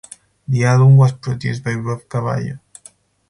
The album was produced by Rob Cavallo.